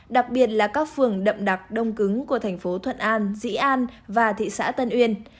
đặc biệt là các phường đậm đặc đông cứng của thành phố thuận an dĩ an và thị xã tân uyên